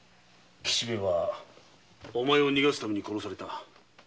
吉兵衛はお前を逃がすために殺された。